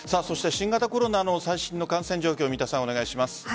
新型コロナの最新の感染状況を三田さん、お願いします。